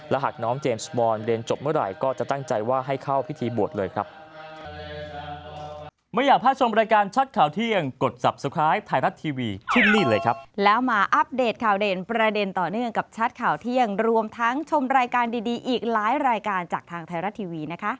หากน้องเจมส์บอลเรียนจบเมื่อไหร่ก็จะตั้งใจว่าให้เข้าพิธีบวชเลยครับ